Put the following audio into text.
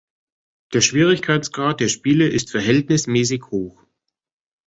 Der Schwierigkeitsgrad der Spiele ist verhältnismäßig hoch.